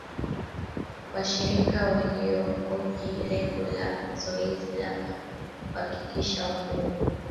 Washirika walihoji lengo la zoezi la uhakiki wa kura.